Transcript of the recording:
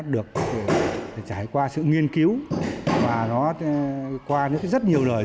được trải qua sự nghiên cứu mà nó qua rất nhiều lời